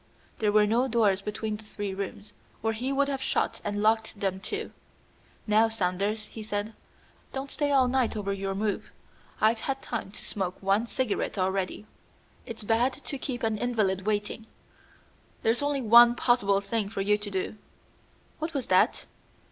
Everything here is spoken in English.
There were no doors between the three rooms, or he would have shut and locked them too. "Now, Saunders," he said, "don't stay all night over your move. I've had time to smoke one cigarette already. It's bad to keep an invalid waiting. There's only one possible thing for you to do. What was that?"